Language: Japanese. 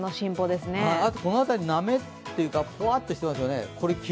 あとこの辺りの雨というか、ぽわっとしていますよね。